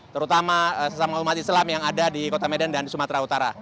terutama sesama umat islam yang ada di kota medan dan di sumatera utara